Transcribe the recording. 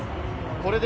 これで